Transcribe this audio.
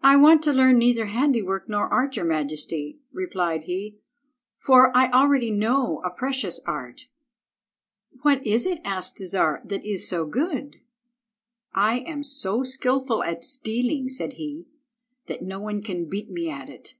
"I want to learn neither handiwork nor art, your majesty," replied he, "for I already know a precious art." "What is it," asked the Czar, "that is so good?" "I am so skilful at stealing," said he, "that no one can beat me at it."